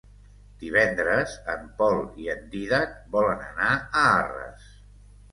Divendres en Pol i en Dídac volen anar a Arres.